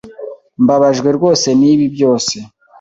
Mbabajwe rwose nibi byose.